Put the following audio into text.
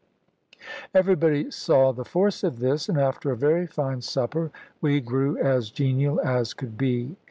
Everybody saw the force of this; and after a very fine supper we grew as genial as could be.